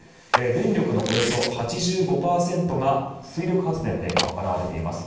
電力のおよそ８５％が水力発電で賄われています。